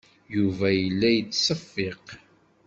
Yuba yella yettseffiq.